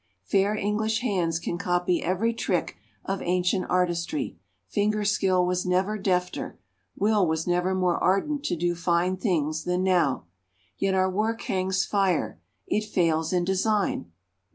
Fair English hands can copy every trick of ancient artistry: finger skill was never defter, will was never more ardent to do fine things, than now. Yet our work hangs fire. It fails in design.